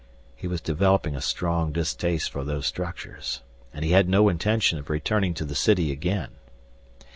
He was developing a strong distaste for those structures. And he had no intention of returning to the city again.